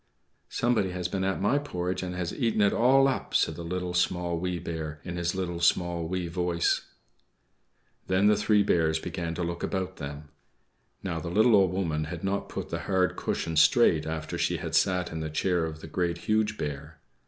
"=Somebody has been at my porridge and has eaten it all up!=" said the Little, Small, Wee Bear, in his little, small, wee voice. Then the three Bears began to look about them. Now, the little Old Woman had not put the hard cushion straight after she had sat in the chair of the Great, Huge Bear.